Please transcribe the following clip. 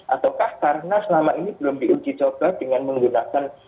ataukah karena selama ini belum diuji coba dengan menggunakan